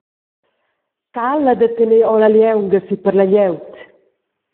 Cala da tener ora la lieunga si per la glieud!